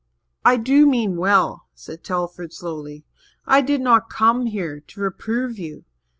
"I do mean well," said Telford slowly. "I did not come here to reprove you.